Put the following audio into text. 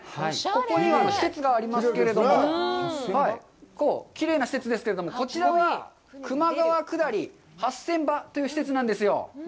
ここには施設がありますけれども、きれいな施設ですけれども、こちらは「球磨川くだりＨＡＳＳＥＮＢＡ」という施設なんですよ。